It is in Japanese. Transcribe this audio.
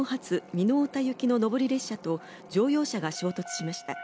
美濃太田行きの上り列車と乗用車が衝突しました